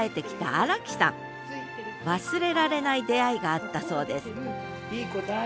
忘れられない出会いがあったそうです